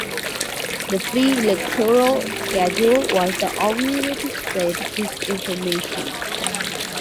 The free electoral schedule was the only way to spread this information.